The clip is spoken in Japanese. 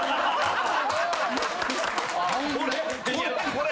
これ！